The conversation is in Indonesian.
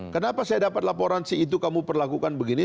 kenapa saya dapat laporan si itu kamu perlakukan begini